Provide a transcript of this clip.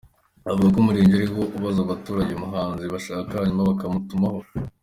Avuga ko Umurenge ariwo ubaza abaturage umuhanzi bashaka hanyuma bakamutumaho.